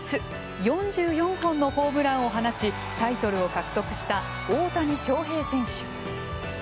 ４４本のホームランを放ちタイトルを獲得した大谷翔平選手。